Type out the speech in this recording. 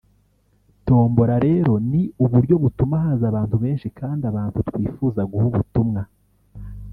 tombola rero ni uburyo butuma haza abantu benshi kandi abantu twifuza guha ubutumwa